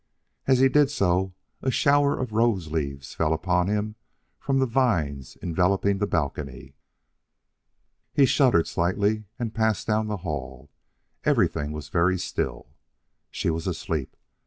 As he did so a shower of rose leaves fell upon him from the vines enveloping the balcony. He shuddered slightly and passed down the hall. Everything was very still. She was asleep.